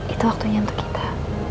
itu waktunya untuk kita